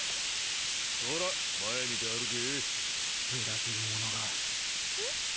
そら前見て歩け裏切り者がえっ？